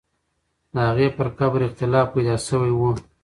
د هغې پر قبر اختلاف پیدا سوی وو.